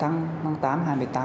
năm hai nghìn tám hai mươi tám